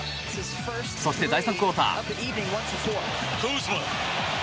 そして、第３クオーター。